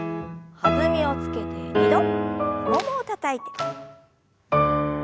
弾みをつけて２度ももをたたいて。